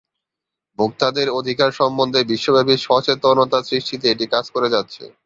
ভোক্তাদের অধিকার সম্বন্ধে বিশ্বব্যাপী সচেতনতা সৃষ্টিতে এটি কাজ করে যাচ্ছে।